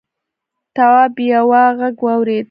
تواب یوه غږ واورېد.